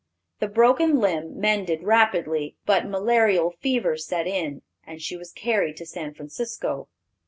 The broken limb mended rapidly, but malarial fever set in, and she was carried to San Francisco.